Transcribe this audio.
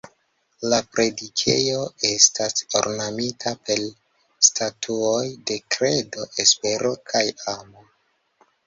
La predikejo estas ornamita per statuoj de Kredo, Espero kaj Amo.